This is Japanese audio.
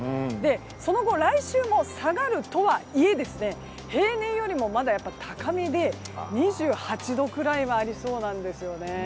その後、来週も下がるとはいえ平年よりも高めで２８度くらいはありそうなんですね。